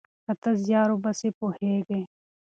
که ته زیار وباسې پوهیږې.